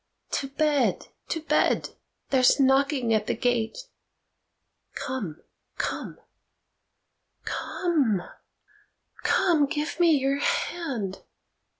To bed, to bed! There's knocking at the gate. Come, come, come, come, give me your hand.